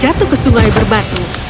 jatuh ke sungai berbatu